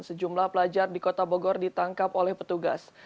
sejumlah pelajar di kota bogor ditangkap oleh petugas